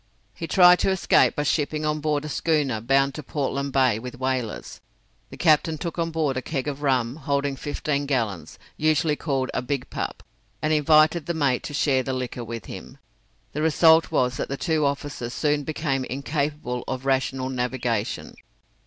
He tried to escape by shipping on board a schooner bound to Portland Bay with whalers. The captain took on board a keg of rum, holding fifteen gallons, usually called a "Big Pup," and invited the mate to share the liquor with him. The result was that the two officers soon became incapable of rational navigation.